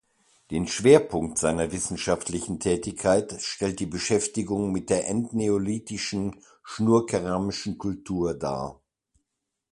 Den Schwerpunkt seiner wissenschaftlichen Tätigkeit stellt die Beschäftigung mit der endneolithischen Schnurkeramischen Kultur dar.